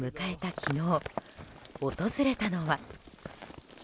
昨日訪れたのは。